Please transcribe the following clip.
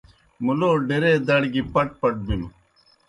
مُلو ڈیرے دڑ گیْ پٹ پٹ بِلوْ۔